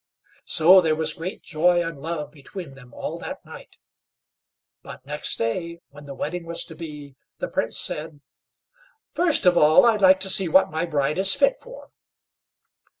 So there was great joy and love between them all that night. But next day, when the wedding was to be, the Prince said: "First of all, I'd like to see what my bride is fit for."